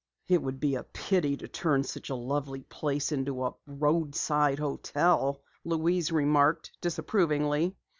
"It would be a pity to turn such a lovely place into a roadside hotel," Louise remarked disapprovingly.